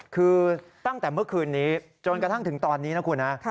คือตั้งแต่เมื่อคืนนี้จนกระทั่งถึงตอนนี้นะคุณนะ